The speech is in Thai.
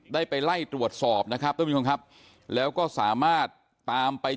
ได้ไปไล่ตรวจสอบนะครับแล้วก็สามารถตามไป